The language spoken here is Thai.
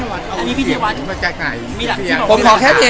อันนี้พี่เจวัด